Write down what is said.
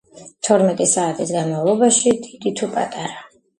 თორმეტი საათის განმავლობაში, დიდი თუ პატარა,